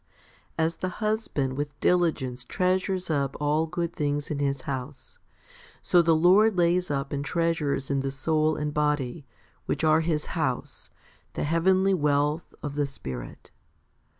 3 As the husband with diligence treasures up all good things in his house, so the Lord lays up and treasures in the soul and body, which are His house, the heavenly wealth of the Spirit.